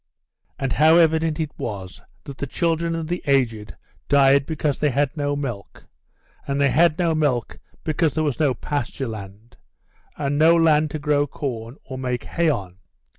And how evident it was that the children and the aged died because they had no milk, and they had no milk because there was no pasture land, and no land to grow corn or make hay on.